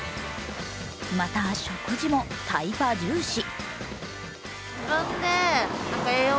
また食事もタイパ重視。